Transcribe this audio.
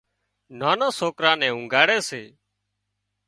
نانان سوڪران نين اونگھاڙي سي